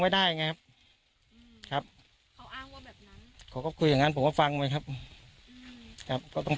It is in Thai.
ไว้ได้ไงครับเขาอ้างว่าแบบนั้นผมก็ฟังไว้ครับก็ต้อง